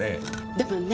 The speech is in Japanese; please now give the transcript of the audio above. でもね